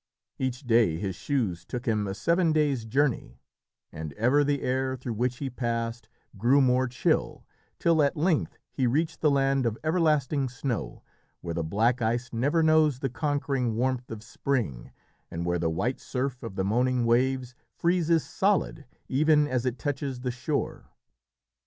Each day his shoes took him a seven days' journey, and ever the air through which he passed grew more chill, till at length he reached the land of everlasting snow, where the black ice never knows the conquering warmth of spring, and where the white surf of the moaning waves freezes solid even as it touches the shore.